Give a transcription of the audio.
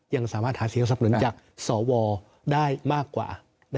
ยังสามารถหาเสียงสับหนุนจากสวได้มากกว่า